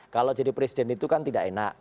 kalau jadi presiden itu kan tidak enak